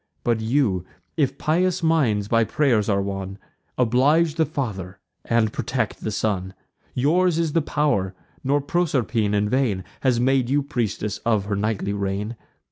But you, if pious minds by pray'rs are won, Oblige the father, and protect the son. Yours is the pow'r; nor Proserpine in vain Has made you priestess of her nightly reign.